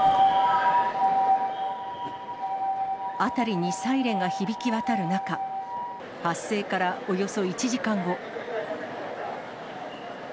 辺りにサイレンが響き渡る中、発生からおよそ１時間後。